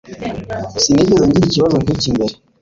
Sinigeze ngira ikibazo nkiki mbere